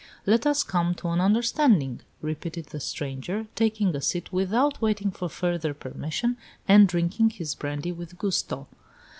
"Let us come to an understanding!" repeated the stranger, taking a seat without waiting for further permission, and drinking his brandy with gusto.